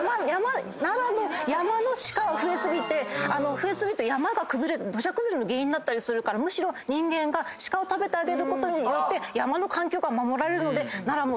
増え過ぎると山が土砂崩れの原因になったりするからむしろ人間がシカを食べてあげることによって山の環境が守られるので奈良もぜひ。